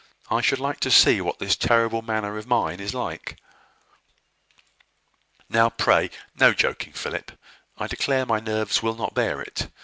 "I should like to see what this terrible manner of mine is like." "Now, pray, no joking, Philip. I declare my nerves will not bear it.